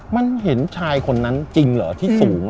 มันเห็นชายคนนั้นจริงเหรอที่สูง